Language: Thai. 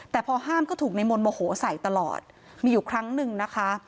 แต่พอห้ามก็ถูกในมนต์โมโหใส่ตลอดมีอยู่ครั้งหนึ่งนะคะ